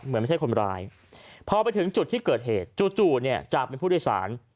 ไม่ใช่คนร้ายพอไปถึงจุดที่เกิดเหตุจู่เนี่ยจากเป็นผู้โดยสาร